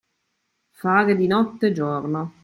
Fare di notte giorno.